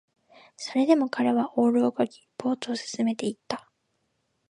それでも彼はオールを漕ぎ、ボートを進めていった